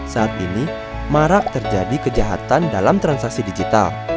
saat ini marak terjadi kejahatan dalam transaksi digital